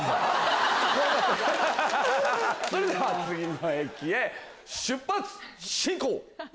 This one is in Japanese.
それでは次の駅へ出発進行！